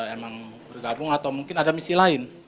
emang bergabung atau mungkin ada misi lain